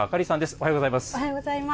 おはようございます。